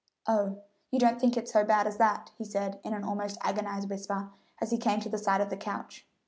"Oh, you don't think it's so bad as that?" he said in an almost agonized whisper, as he came to the side of the couch.